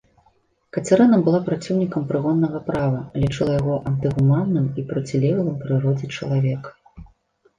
Кацярына была праціўнікам прыгоннага права, лічыла яго антыгуманным і процілеглым прыродзе чалавека.